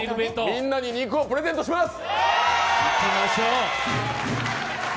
みんなに肉をプレゼントします！